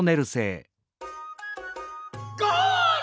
ゴール！